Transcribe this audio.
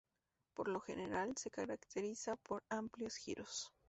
Por lo general, se caracteriza por amplios giros.